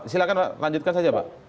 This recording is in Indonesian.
silahkan lanjutkan saja pak